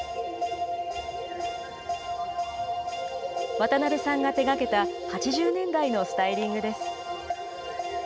渡邊さんが手がけた８０年代のスタイリングです。